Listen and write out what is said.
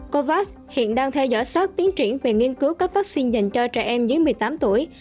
covax hiện đang theo dõi sát tiến triển về nghiên cứu cấp vaccine dành cho trẻ em dưới một mươi tám tuổi